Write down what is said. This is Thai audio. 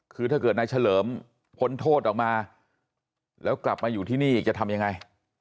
คือถ้าเกิดนายเฉลิมพ้นโทษออกมาแล้วกลับมาอยู่ที่นี่จะทำยังไง